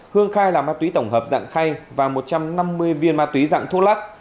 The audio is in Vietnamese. hương khai là ma túy tổng hợp dạng khay và một trăm năm mươi viên ma túy dạng thuốc lắc